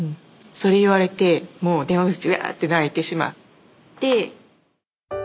それ言われてもう電話口で「うわ」って泣いてしまって。